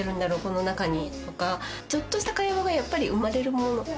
この中にとかちょっとした会話がやっぱり生まれるもんなんですよね。